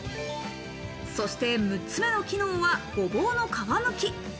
そして６つ目の機能は、ごぼうの皮むき。